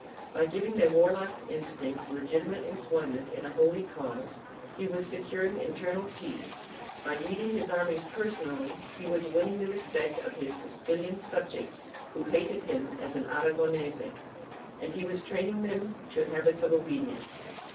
By giving their warlike instincts legitimate employment in a holy cause, he was securing internal peace; by leading his armies personally, he was winning the respect of his Castilian subjects who hated him as an Aragonese, and he was training them to habits of obedience.